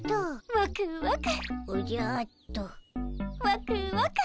ワクワク。